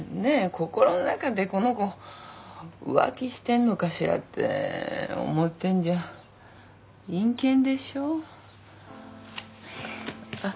心の中で「この子浮気してんのかしら？」って思ってんじゃ陰険でしょう？あっ。